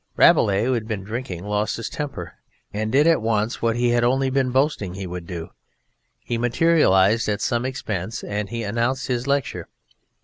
Rabelais, who had been drinking, lost his temper and did at once what he had only been boasting he would do. He materialised at some expense, and he announced his lecture.